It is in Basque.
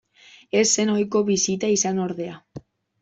Ez zen ohiko bisita izan ordea.